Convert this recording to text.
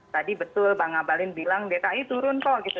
tadi betul bang ngabalin bilang dki turun kok gitu